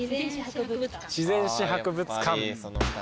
自然史博物館。